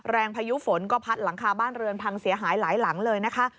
พายุฝนก็พัดหลังคาบ้านเรือนพังเสียหายหลายหลังเลยนะคะ